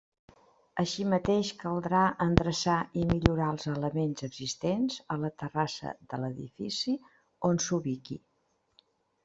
Així mateix caldrà endreçar i millorar els elements existents a la terrassa de l'edifici on s'ubiqui.